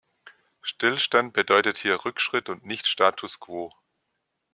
Stillstand bedeutet hier Rückschritt und nicht status quo.